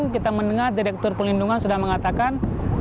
di mana direktur pelindungan sudah mengatakan